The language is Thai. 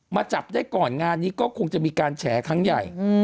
จับได้ก่อนงานนี้ก็คงจะมีการแฉครั้งใหญ่